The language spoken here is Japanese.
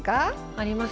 あります。